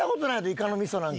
イカのみそなんか。